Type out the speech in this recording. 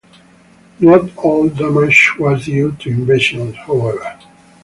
Not all damage was due to invasions, however.